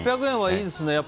いいですね